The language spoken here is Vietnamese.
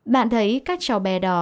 bạn thấy các cháu bé đó